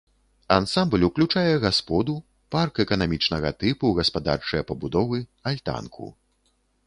Ансамбль уключае гасподу, парк эканамічнага тыпу, гаспадарчыя пабудовы, альтанку.